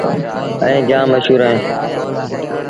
ائيٚݩ جآم مشهور اهي